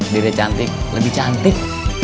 dede cantik lebih cantik